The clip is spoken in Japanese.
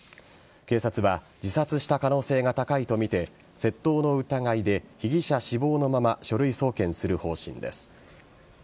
警察は自殺した可能性が高いとみて窃盗の疑いで、被疑者死亡のまま書類送検する方針です。